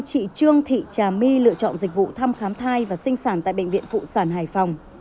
chị trương thị trà my lựa chọn dịch vụ thăm khám thai và sinh sản tại bệnh viện phụ sản hải phòng